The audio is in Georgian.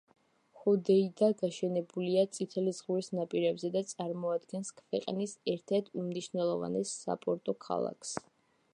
ჰოდეიდა გაშენებულია წითელი ზღვის ნაპირებზე და წარმოადგენს ქვეყნის ერთ-ერთ უმნიშვნელოვანეს საპორტო ქალაქს.